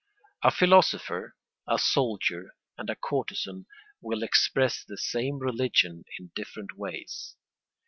A philosopher, a soldier, and a courtesan will express the same religion in different ways.